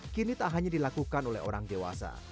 kini tak hanya dilakukan oleh orang dewasa